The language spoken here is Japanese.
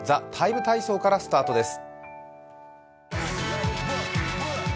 「ＴＨＥＴＩＭＥ，体操」からスタートです。